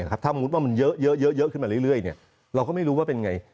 ถ้าสมมุติว่ามันเยอะขึ้นมาเรื่อยเราก็ไม่รู้ว่าเป็นไง